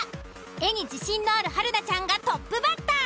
絵に自信のある春菜ちゃんがトップバッター。